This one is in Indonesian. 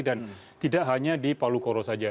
dan tidak hanya di palu koro saja